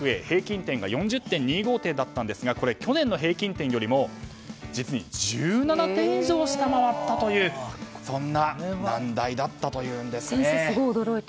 平均点が４０．２５点だったんですが去年の平均点よりも実に１７点以上下回ったという難題だったというんですね。